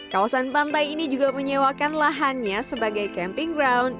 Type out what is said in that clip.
kawasan pantai ini juga menyewakan lahannya sebagai camping ground